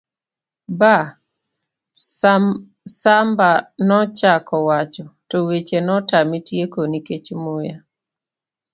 ba.. Samba nochako wacho, to weche notame tieko nikech muya